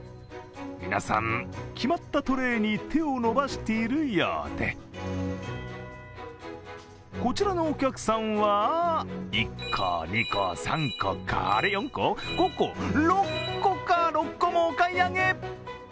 皆さん、決まったトレーに手を伸ばしているようでこちらのお客さんは１個、２個、３個あれ、４個、５個６個もお買い上げ。